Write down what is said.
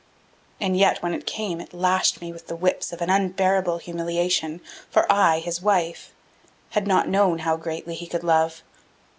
And yet, when it came, it lashed me with the whips of an unbearable humiliation. For I, his wife, had not known how greatly he could love.